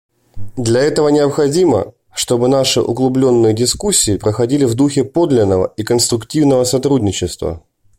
Для этого необходимо, чтобы наши углубленные дискуссии проходили в духе подлинного и конструктивного сотрудничества.